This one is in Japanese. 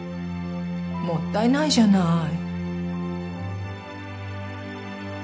もったいないじゃない。